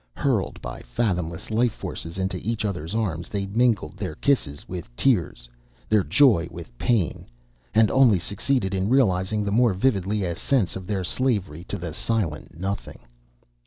Hurled by fathomless life forces into each other's arms, they mingled their kisses with tears, their joy with pain, and only succeeded in realising the more vividly a sense of their slavery to the silent Nothing.